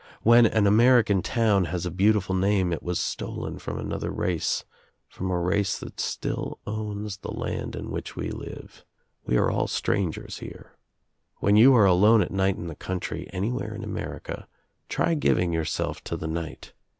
When an American town has a beautiful name It was stolen from another race, from a race that still owns the land in which we live. We are all strangers here. When you are alone at night in the country, anywhere in America, try giving yourself to the night.